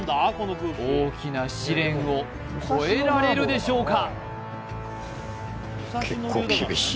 大きな試練をこえられるでしょうか？